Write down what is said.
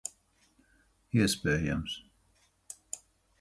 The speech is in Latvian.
Iespējams.